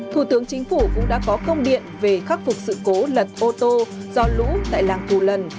thủ tướng chính phủ cũng đã có công điện về khắc phục sự cố lật ô tô do lũ tại làng cù lần